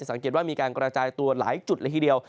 สังเกตว่ามีการกระจายตัวหลายจุดเลยทีเดียว